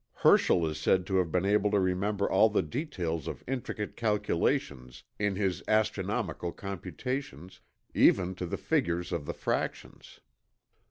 Herschel is said to have been able to remember all the details of intricate calculations in his astronomical computations, even to the figures of the fractions.